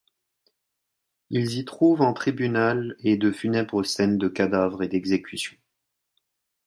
Ils y trouvent un tribunal et de funèbres scènes de cadavres et d'exécution.